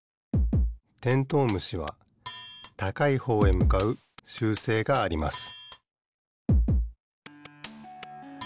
テントウムシはたかいほうへむかうしゅうせいがあります